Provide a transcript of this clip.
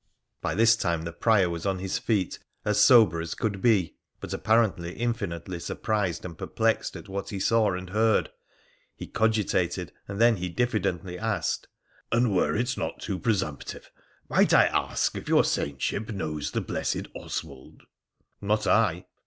By this time the Prior was on his feet, as sober as could be, but apparently infinitely surprised and perplexed at what he saw and heard. He cogitated, and then he diffidently asked :' An it were not too presumptive, might I ask if your saintship knows the blessed Oswald ?'' Not I.'